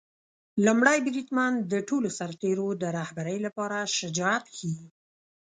لومړی بریدمن د ټولو سرتیرو د رهبری لپاره شجاعت ښيي.